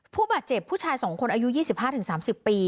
ผู้บาดเจ็บผู้ชาย๒คนอายุ๒๕๓๐ปี